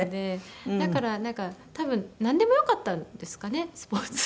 だからなんか多分なんでもよかったんですかねスポーツ。